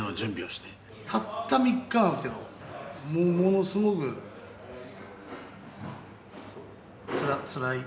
たった３日なんですけどもうものすごくつらつらい。